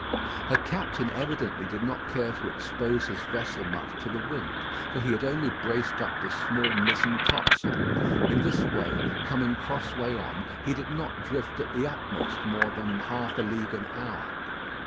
Her captain evidently did not care to expose his vessel much to the wind, for he had only braced up the small mizen topsail. In this way, coming crossway on, he did not drift at the utmost more than half a league an hour.